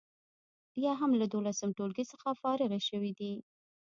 یا هم له دولسم ټولګي څخه فارغې شوي دي.